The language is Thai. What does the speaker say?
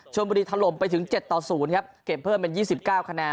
บุรีถล่มไปถึง๗ต่อ๐ครับเก็บเพิ่มเป็น๒๙คะแนน